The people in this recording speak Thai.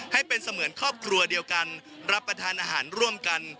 ให้เป็นเสมือนครอบครัวเดียวกันรับประทานอาหารร่วมกัน